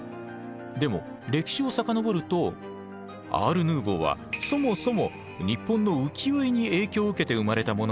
でも歴史を遡るとアール・ヌーヴォーはそもそも日本の浮世絵に影響を受けて生まれたものなんです。